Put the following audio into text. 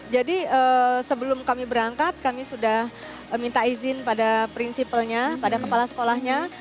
jadi sebelum kami berangkat kami sudah minta izin pada prinsipalnya pada kepala sekolahnya